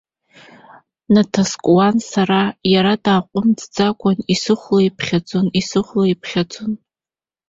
Наҭаскуан сара, иара дааҟәымҵӡакәа исыхәлеиԥхьаӡон, исыхәлеиԥхьаӡон.